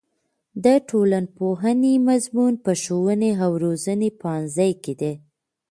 د ټولنپوهنې مضمون په ښوونې او روزنې پوهنځي کې دی.